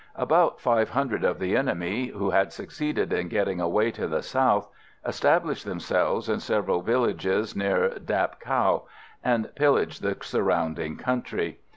About five hundred of the enemy, who had succeeded in getting away to the south, established themselves in several villages near Dap Cau, and pillaged the surrounding country.